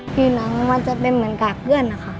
ผิวหนังมันจะเป็นเหมือนกากเพื่อนนะคะ